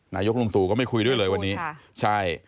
นายกลุงตู่ก็ไม่คุยด้วยเลยวันนี้ใช่